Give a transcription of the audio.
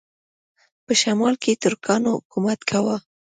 په شمال کې ترکانو حکومت کاوه.